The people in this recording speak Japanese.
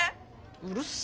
うるさ！